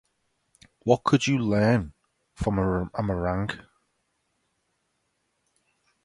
What could you learn from a meringue?